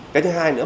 cái thứ hai nữa